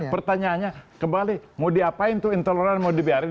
pertanyaannya kembali mau diapain tuh intoleran mau dibiarin